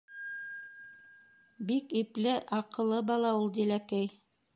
Бик ипле, аҡыллы бала ул Диләкәй.